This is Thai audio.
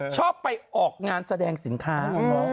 ชอบไปออกงานแสดงสินค้า